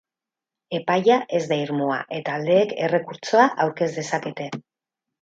Epaia ez da irmoa, eta aldeek errekurtsoa aurkez dezakete.